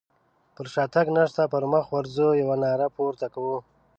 پر شاتګ نشته پر مخ ورځو يوه ناره پورته کوو.